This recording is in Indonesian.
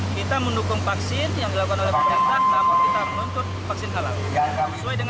kita mendukung vaksin yang dilakukan oleh pemerintah